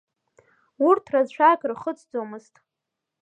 Урҭ рацәак рхыҵӡомызт.